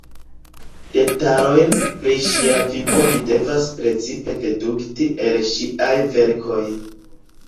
Detalojn pri ŝia vivo ni devas precipe dedukti el ŝiaj verkoj.